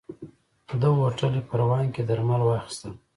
ده هوټل پروان کې درمل واخيستل.